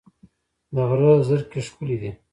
د غره زرکې ښکلې دي